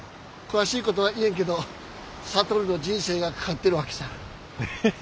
詳しいことは言えんけど智の人生がかかってるわけさ。